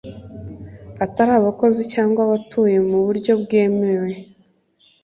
atari abakozi cyangwa abatuye mu buryo bwemewe